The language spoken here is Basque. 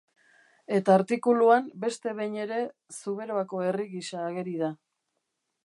Eta artikuluan beste behin ere Zuberoako herri gisa ageri da.